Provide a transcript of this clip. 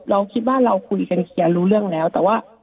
เราคิดว่าเราคุยกันเคลียร์รู้เรื่องแล้วแต่ว่า